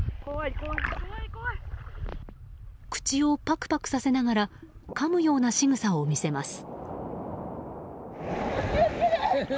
口をパクパクさせながらかむようなしぐさを見せます。